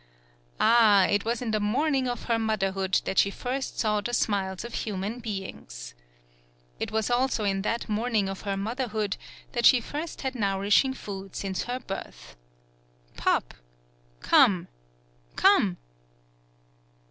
Ah, it was in the morning of her motherhood that she first saw the smiles of human beings. It was also in that morning of her motherhood that she first had nourishing food since her birth. "Pup come, come."